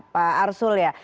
pak arsul ya